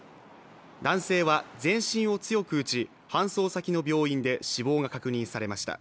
男性は全身を強く打ち、搬送先の病院で死亡が確認されました。